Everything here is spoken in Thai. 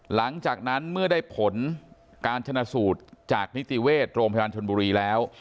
หลังจากนั้นเมื่อได้ผลการชนะสูตรจากนิติเวชโรงพยาบาลชนบุรีแล้ว